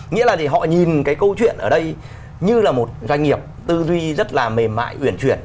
nghĩa là thì họ nhìn cái câu chuyện ở đây như là một doanh nghiệp tư duy rất là mềm mại uyển chuyển